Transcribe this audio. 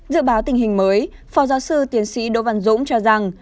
dự báo tình hình mới phó giáo sư tiến sĩ đỗ văn dũng cho rằng